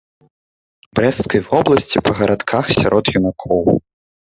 Брэсцкай вобласці па гарадках сярод юнакоў.